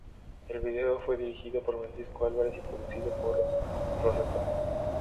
El vídeo fue dirigido por Francisco Álvarez y producido por Rosa Torres.